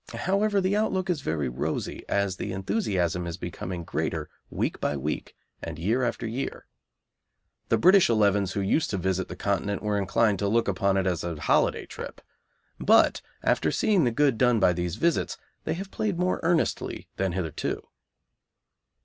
However, the outlook is very rosy, as the enthusiasm is becoming greater week by week and year after year. The British elevens who used to visit the Continent were inclined to look upon it as a holiday trip. But after seeing the good done by these visits they have played more earnestly than hitherto.